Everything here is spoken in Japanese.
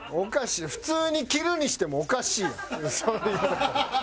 普通に着るにしてもおかしいやん。